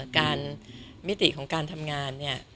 การมิติของการทำงานเนี่ย